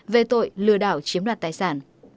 về tội lừa đảo chiếm đoạt tài sản